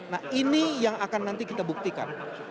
nah ini yang akan nanti kita buktikan